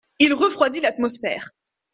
Il refroidit l’atmosphère.